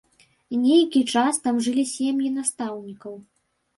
Нейкі час там жылі сем'і настаўнікаў.